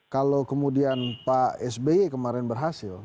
kalau kemudian pak sby kemarin berhasil